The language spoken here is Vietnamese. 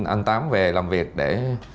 anh tám về làm việc để